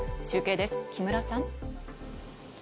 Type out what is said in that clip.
中継です、木村さん。